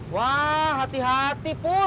wah hati hati pur